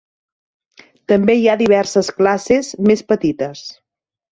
També hi ha diverses classes més petites.